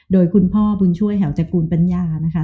โดยคุณพ่อบุญช่วยแถวตระกูลปัญญานะคะ